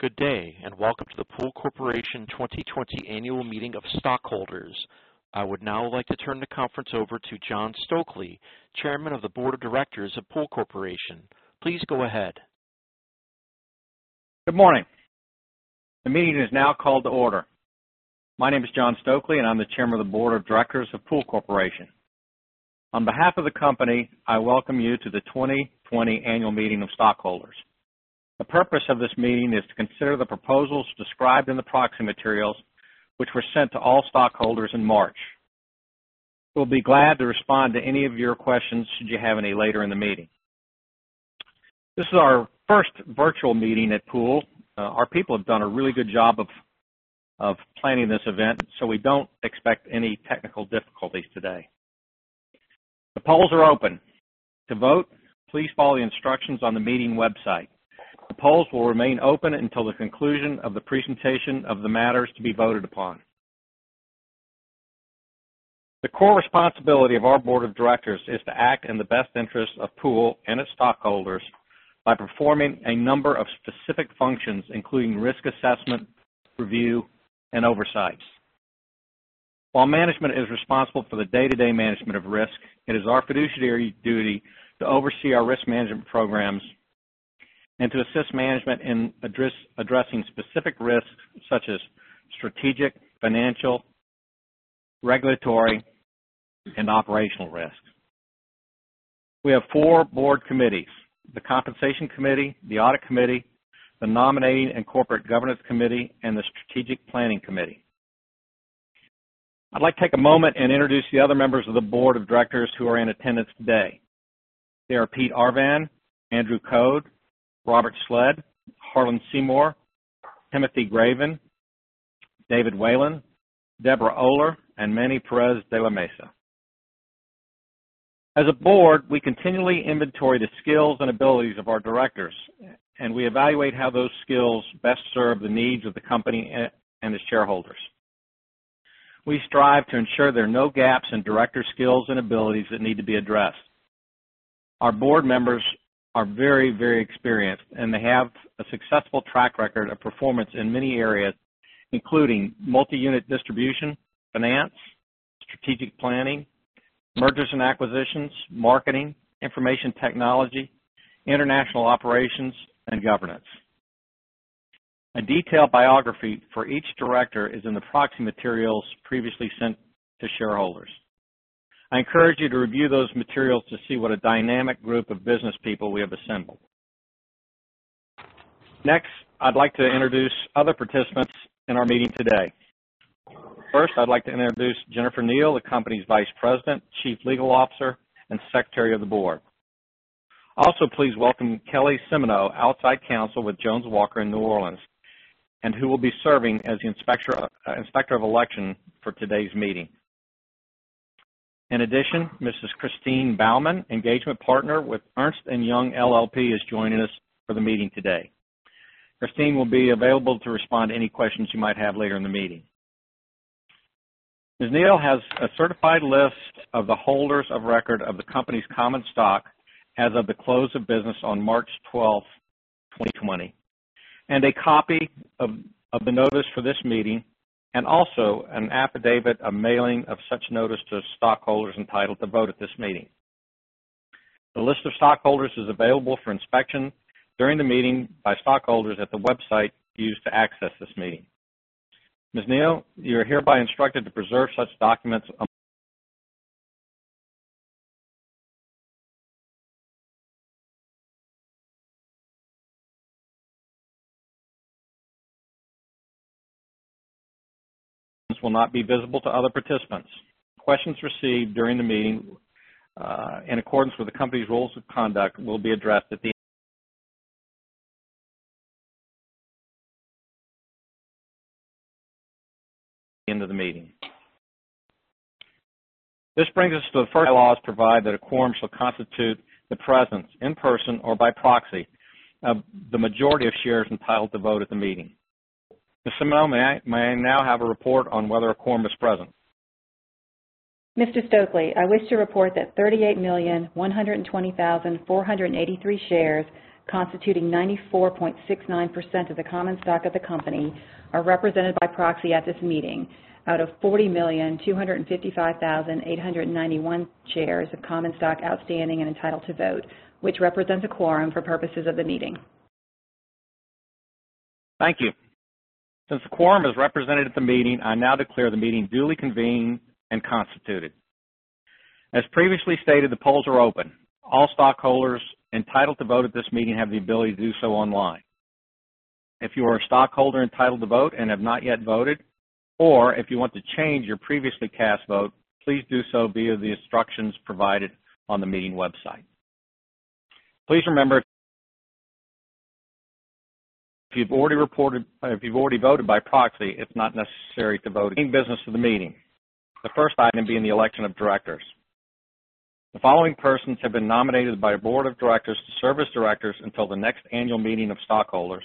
Good day, welcome to the Pool Corporation 2020 Annual Meeting of Stockholders. I would now like to turn the conference over to John Stokely, Chairman of the Board of Directors of Pool Corporation. Please go ahead. Good morning. The meeting is now called to order. My name is John Stokely, and I'm the Chairman of the Board of Directors of Pool Corporation. On behalf of the company, I welcome you to the 2020 Annual Meeting of Stockholders. The purpose of this meeting is to consider the proposals described in the proxy materials, which were sent to all stockholders in March. We'll be glad to respond to any of your questions should you have any later in the meeting. This is our first virtual meeting at Pool. Our people have done a really good job of planning this event, so we don't expect any technical difficulties today. The polls are open. To vote, please follow the instructions on the meeting website. The polls will remain open until the conclusion of the presentation of the matters to be voted upon. The core responsibility of our Board of Directors is to act in the best interest of Pool and its stockholders by performing a number of specific functions, including risk assessment, review, and oversights. While management is responsible for the day-to-day management of risk, it is our fiduciary duty to oversee our risk management programs and to assist management in addressing specific risks such as strategic, financial, regulatory, and operational risks. We have four board committees, the Compensation Committee, the Audit Committee, the Nominating and Corporate Governance Committee, and the Strategic Planning Committee. I'd like to take a moment and introduce the other members of the Board of Directors who are in attendance today. They are Pete Arvan, Andrew Code, Robert Sledd, Harlan Seymour, Timothy Graven, David Whalen, Debra Oler, and Manny Perez de la Mesa. As a board, we continually inventory the skills and abilities of our directors, and we evaluate how those skills best serve the needs of the company and its shareholders. We strive to ensure there are no gaps in director skills and abilities that need to be addressed. Our board members are very experienced, and they have a successful track record of performance in many areas, including multi-unit distribution, finance, strategic planning, mergers and acquisitions, marketing, information technology, international operations, and governance. A detailed biography for each director is in the proxy materials previously sent to shareholders. I encourage you to review those materials to see what a dynamic group of businesspeople we have assembled. I'd like to introduce other participants in our meeting today. I'd like to introduce Jennifer Neil, the company's Vice President, Chief Legal Officer, and Secretary of the Board. Please welcome Kelly Simoneaux, outside counsel with Jones Walker in New Orleans, and who will be serving as the Inspector of Election for today's meeting. Mrs. Christine Baumann, Engagement Partner with Ernst & Young LLP, is joining us for the meeting today. Christine will be available to respond to any questions you might have later in the meeting. Ms. Neil has a certified list of the holders of record of the company's common stock as of the close of business on March 12, 2020, a copy of the notice for this meeting, also an affidavit of mailing of such notice to stockholders entitled to vote at this meeting. The list of stockholders is available for inspection during the meeting by stockholders at the website used to access this meeting. Ms. Neil, you are hereby instructed to preserve such documents, will not be visible to other participants. Questions received during the meeting, in accordance with the company's rules of conduct, will be addressed at the end of the meeting. This brings us to the first laws provide that a quorum shall constitute the presence in person or by proxy of the majority of shares entitled to vote at the meeting. Ms. Simoneaux, may I now have a report on whether a quorum is present? Mr. Stokely, I wish to report that 38,120,483 shares, constituting 94.69% of the common stock of the company, are represented by proxy at this meeting out of 40,255,891 shares of common stock outstanding and entitled to vote, which represents a quorum for purposes of the meeting. Thank you. Since a quorum is represented at the meeting, I now declare the meeting duly convened and constituted. As previously stated, the polls are open. All stockholders entitled to vote at this meeting have the ability to do so online. If you are a stockholder entitled to vote and have not yet voted, or if you want to change your previously cast vote, please do so via the instructions provided on the meeting website. Please remember, if you've already voted by proxy, it's not necessary to vote in business of the meeting. The first item being the election of directors. The following persons have been nominated by the Board of Directors to serve as directors until the next annual meeting of stockholders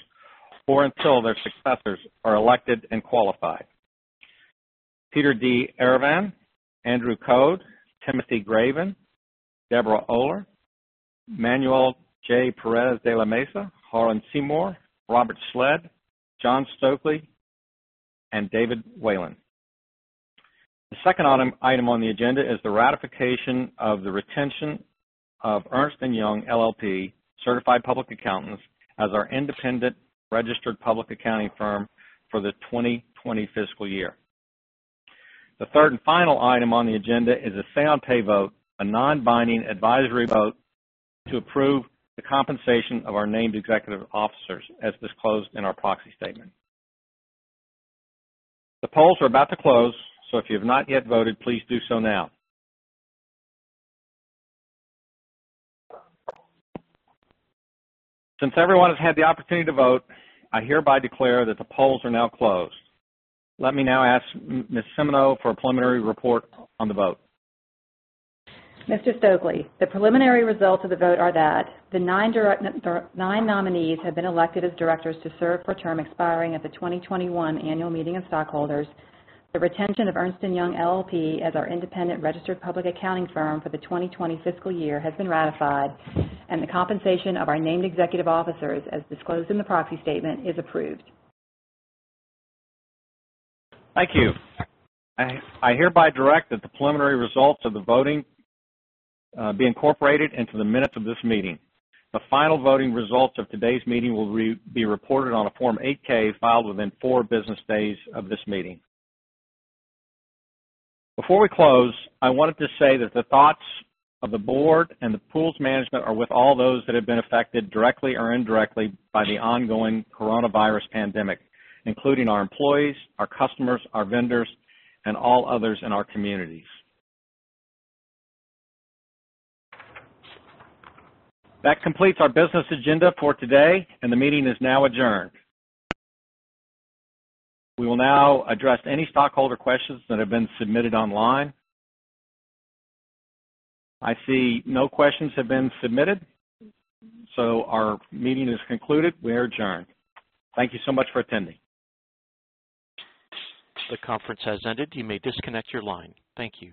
or until their successors are elected and qualified, Peter D. Arvan, Andrew Code, Timothy Graven, Debra Oler, Manuel J. Perez de la Mesa, Harlan Seymour, Robert Sledd, John Stokely, and David Whalen. The second item on the agenda is the ratification of the retention of Ernst & Young LLP, certified public accountants, as our independent registered public accounting firm for the 2020 fiscal year. The third and final item on the agenda is a say-on-pay vote, a non-binding advisory vote to approve the compensation of our named executive officers as disclosed in our proxy statement. The polls are about to close. If you have not yet voted, please do so now. Since everyone has had the opportunity to vote, I hereby declare that the polls are now closed. Let me now ask Ms. Simoneaux for a preliminary report on the vote. Mr. Stokely, the preliminary results of the vote are that the nine nominees have been elected as directors to serve for term expiring at the 2021 Annual Meeting of Stockholders. The retention of Ernst & Young LLP as our independent registered public accounting firm for the 2020 fiscal year has been ratified, and the compensation of our named executive officers, as disclosed in the proxy statement, is approved. Thank you. I hereby direct that the preliminary results of the voting be incorporated into the minutes of this meeting. The final voting results of today's meeting will be reported on a Form 8-K filed within four business days of this meeting. Before we close, I wanted to say that the thoughts of the Board and the Pool's management are with all those that have been affected, directly or indirectly, by the ongoing coronavirus pandemic, including our employees, our customers, our vendors, and all others in our communities. That completes our business agenda for today, and the meeting is now adjourned. We will now address any stockholder questions that have been submitted online. I see no questions have been submitted. Our meeting is concluded. We are adjourned. Thank you so much for attending. The conference has ended. You may disconnect your line. Thank you.